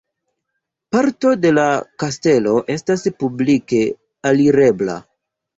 Parto de la kastelo estas publike alirebla.